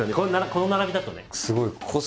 この並びだとね。